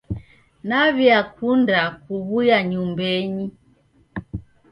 Naw'eakunda kuw'uya nyumbenyi.